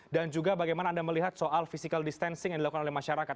dan juga bagaimana anda melihat soal physical distancing yang dilakukan oleh masyarakat